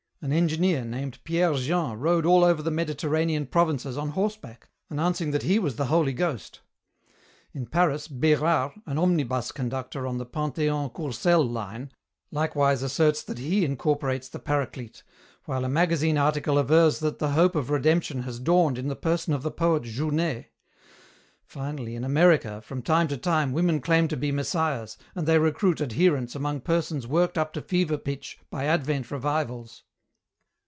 An engineer named Pierre Jean rode all over the Mediterranean provinces on horseback announcing that he was the Holy Ghost. In Paris, Bérard, an omnibus conductor on the Panthéon Courcelles line, likewise asserts that he incorporates the Paraclete, while a magazine article avers that the hope of Redemption has dawned in the person of the poet Jhouney. Finally, in America, from time to time, women claim to be Messiahs, and they recruit adherents among persons worked up to fever pitch by Advent revivals."